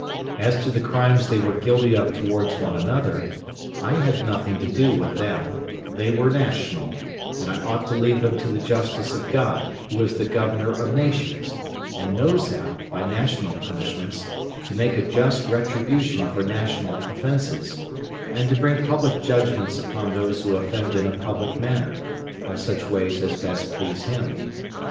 As to the crimes they were guilty of towards one another, I had nothing to do with them; they were national, and I ought to leave them to the justice of God, who is the Governor of nations, and knows how, by national punishments, to make a just retribution for national offences, and to bring public judgments upon those who offend in a public manner, by such ways as best please Him.